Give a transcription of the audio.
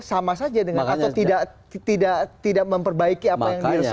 sama saja dengan atau tidak memperbaiki apa yang diresahkan